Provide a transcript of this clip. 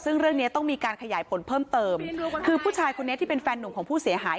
ซึ่งเรื่องเนี้ยต้องมีการขยายผลเพิ่มเติมคือผู้ชายคนนี้ที่เป็นแฟนหนุ่มของผู้เสียหาย